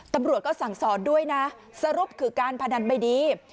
ตำรวจก็สั่งสอนด้วยนะสรุปคือการพนันไม่ดี